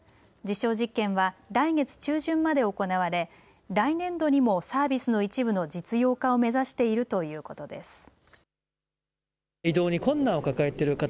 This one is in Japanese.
実証実験は来月中旬まで行われ来年度にもサービスの一部の実用化を目指しているということです。